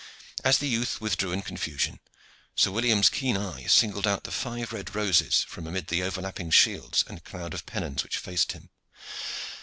As the youth withdrew in confusion, Sir William's keen eye singled out the five red roses from amid the overlapping shields and cloud of pennons which faced him.